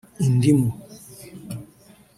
indimu